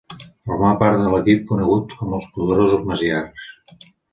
Formà part de l'equip conegut com els poderosos magiars.